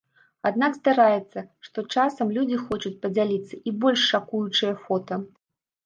Аднак здараецца, што часам людзі хочуць падзяліцца і больш шакуючыя фота.